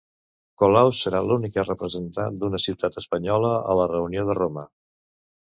Colau serà l'única representant d'una ciutat espanyola a la reunió de Roma